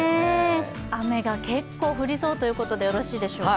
雨が結構降りそうということでよろしいでしょうか。